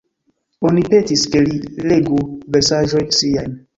Oni petis, ke li legu versaĵojn siajn.